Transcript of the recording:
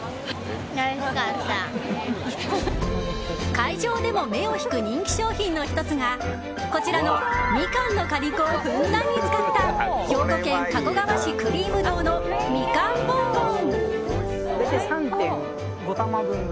会場でも目を引く人気商品の１つがこちらのミカンの果肉をふんだんに使った兵庫県加古川市、くりーむ堂のみかんボンボン。